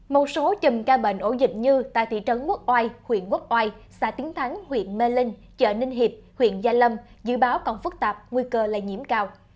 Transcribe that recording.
một số chùm ca bệnh ổ dịch như tại thị trấn quốc oai huyện quốc oai xã tiến thắng huyện mê linh chợ ninh hiệp huyện gia lâm dự báo còn phức tạp nguy cơ lây nhiễm cao